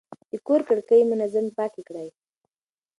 د کور کړکۍ منظم پاکې کړئ.